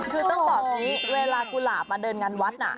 คือต้องบอกอย่างนี้เวลากุหลาบมาเดินงานวัดน่ะ